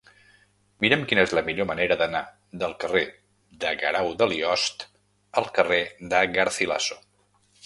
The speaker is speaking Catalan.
Mira'm quina és la millor manera d'anar del carrer de Guerau de Liost al carrer de Garcilaso.